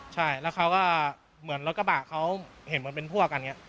ใช่แล้วเขาก็เหมือนรถกระบะเขาเห็นเหมือนเป็นพวกกันอย่างนี้